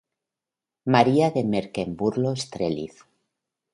María de Mecklemburgo-Strelitz